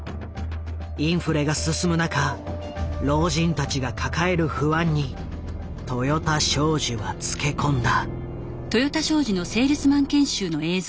インフレが進む中老人たちが抱える不安に豊田商事はつけ込んだ。